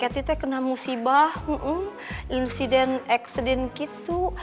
saya kena musibah insiden eksiden gitu